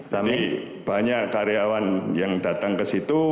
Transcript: jadi banyak karyawan yang datang ke situ